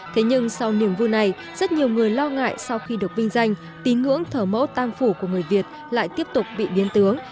thế nhưng sau niềm vui này rất nhiều người lo ngại sau khi được vinh danh tín ngưỡng thờ mẫu tam phủ của người việt lại tiếp tục bị biến tướng